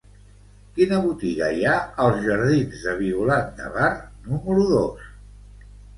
Quina botiga hi ha als jardins de Violant de Bar número dos?